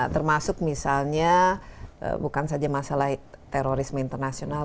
termasuk misalnya bukan saja masalah terorisme internasional